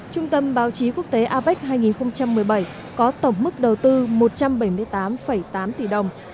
trung tâm báo chí quốc tế apec hai nghìn một mươi bảy có tổng mức đầu tư một trăm bảy mươi tám tám tỷ đồng